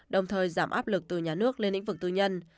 đồng thời giảm áp lực từ nhà nước lên lĩnh vực tư nhân